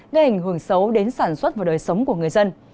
gây ảnh hưởng xấu đến sản xuất và đời sống của người dân